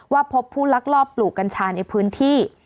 พบผู้ลักลอบปลูกกัญชาในพื้นที่